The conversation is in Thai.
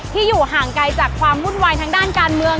อยู่ห่างไกลจากความวุ่นวายทางด้านการเมือง